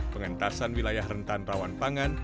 pengentasan wilayah rentan rawan pangan